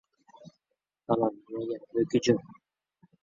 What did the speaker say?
Eng kam yillik mehnat ta’tili muddati uzaytirilishi mumkin